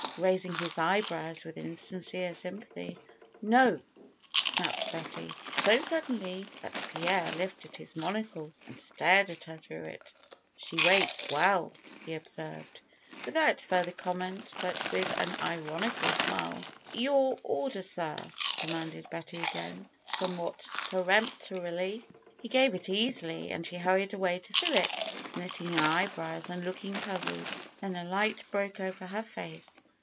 raising his eyebrows with insincere sympathy. ^^No !" snapped Betty, so suddenly, that Pierre lifted his monocle and stared at her through it. ^^She waits well," he observed, without further com ment but with an ironical smile. ^^Your order, sir!" demanded Betty again, some what peremptorily. ^54 FAITH He gave it easily, and she hurried away to fill it, knitting her eyebrows and looking puzzled. Then a light broke over her face.